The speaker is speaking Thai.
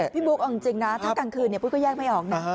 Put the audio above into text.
พี่บุ๊คเอาจริงนะถ้ากลางคืนปุ้ยก็แยกไม่ออกนะ